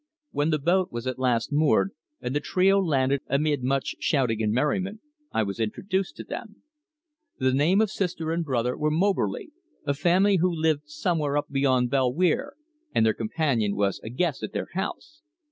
When the boat was at last moored, and the trio landed amid much shouting and merriment, I was introduced to them. The name of sister and brother was Moberly, a family who lived somewhere up beyond Bell Weir, and their companion was a guest at their house.